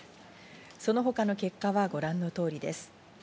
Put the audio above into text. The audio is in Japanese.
その他の結果はご覧の通りです。